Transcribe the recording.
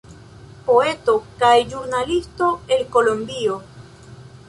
Poeto kaj ĵurnalisto el Kolombio.